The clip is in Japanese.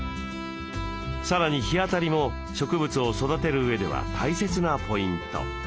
さらに日当たりも植物を育てる上では大切なポイント。